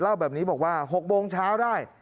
เล่าแบบนี้บอกว่า๖โมงเช้าได้